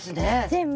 全部。